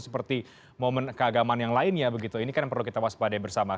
seperti momen keagamaan yang lainnya begitu ini kan yang perlu kita waspadai bersama